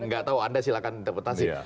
gak tau anda silahkan interpretasi